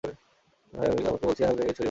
ভাই, আমি তোমাকে বলছি, এই হারামজাদাকে ছুরি মারো।